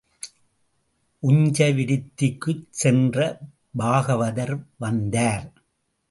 உஞ்சவிருத்திக்குச் சென்ற பாகவதர் வந்தார்.